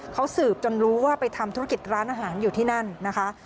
เขาสืบจนรู้ว่าไปทำธุรกิจร้านอาหารอยู่ที่นั่นนะคะ